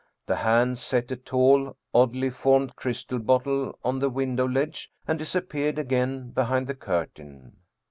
The hand set a tall, oddly formed crystal bottle on the window ledge and disappeared again behind the curtain.